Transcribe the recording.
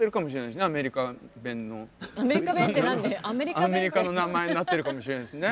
アメリカの名前になってるかもしれないですね。